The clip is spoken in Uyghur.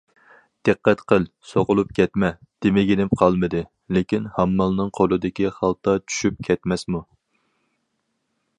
- دىققەت قىل، سوقۇلۇپ كەتمە!... دېمىگىنىم قالمىدى، لېكىن ھاممالنىڭ قولىدىكى خالتا چۈشۈپ كەتمەسمۇ!